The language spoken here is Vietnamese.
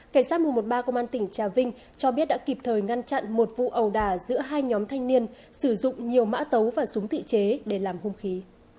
cảnh sát một trăm một mươi ba công an tỉnh trà vinh cho biết đã kịp thời ngăn chặn một vụ ầu đà giữa hai nhóm thanh niên sử dụng nhiều mã tấu và súng tự chế để làm hung khí